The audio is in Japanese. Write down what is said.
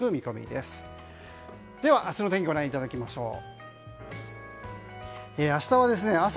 では、明日の天気ご覧いただきましょう。